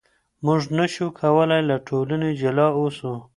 موږ نشو کولای له ټولنې جلا اوسو.